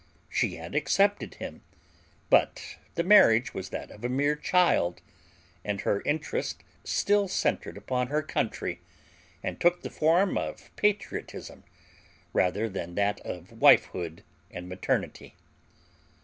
She had accepted him, but the marriage was that of a mere child, and her interest still centered upon her country and took the form of patriotism rather than that of wifehood and maternity.